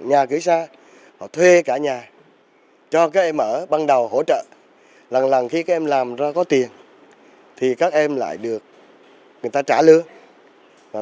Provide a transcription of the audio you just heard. và khi các em làm ra có tiền thì các em lại được người ta trả lương